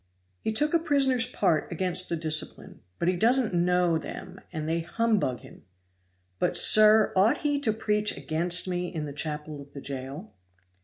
"He took a prisoner's part against the discipline; but he doesn't know them, and they humbug him. But, sir, ought he to preach against me in the chapel of the jail?"